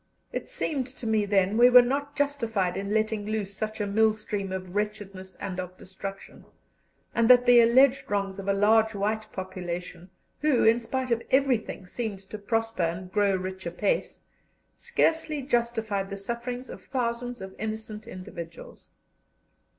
It seemed to me then we were not justified in letting loose such a millstream of wretchedness and of destruction, and that the alleged wrongs of a large white population who, in spite of everything, seemed to prosper and grow rich apace scarcely justified the sufferings of thousands of innocent individuals.